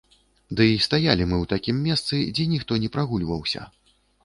Дый стаялі мы ў такім месцы, дзе ніхто не прагульваўся.